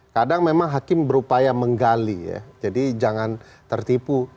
kadang memang hakim berupaya menggali ya jadi jangan tertipu